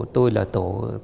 tôi là tổ